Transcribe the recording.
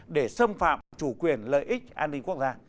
để xâm phạm chủ quyền lợi ích an ninh quốc gia